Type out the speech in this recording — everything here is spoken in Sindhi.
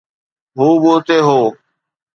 هو به اتي هو